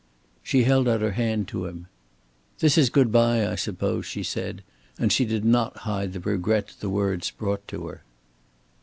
She held out her hand to him. "This is good by, I suppose," she said, and she did not hide the regret the words brought to her.